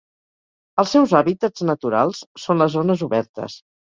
Els seus hàbitats naturals són les zones obertes.